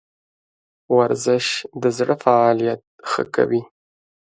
ورزش د زړه فعالیت ښه کوي